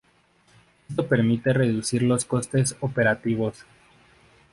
Esto permite reducir los costes operativos.